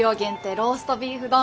ローストビーフ丼。